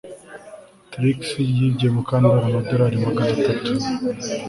Trix yibye Mukandoli amadorari magana atatu